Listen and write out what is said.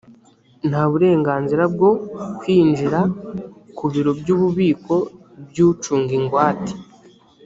nta uburenganzirabwo kwinjira ku biroby’ububiko by’ucunga ingwate